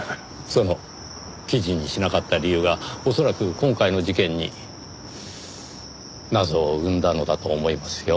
その記事にしなかった理由が恐らく今回の事件に謎を生んだのだと思いますよ。